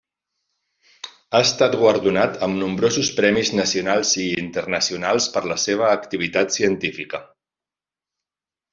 Ha estat guardonat amb nombrosos premis nacionals i internacionals per la seva activitat científica.